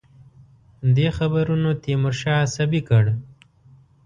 دې خبرونو تیمورشاه عصبي کړ.